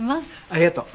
ありがとう。